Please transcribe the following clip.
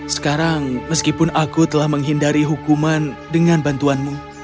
sekarang meskipun aku telah menghindari hukuman dengan bantuanmu